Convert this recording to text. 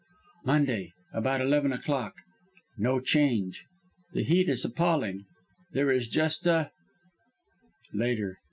"Monday, about eleven o'clock. No change. The heat is appalling. There is just a "Later.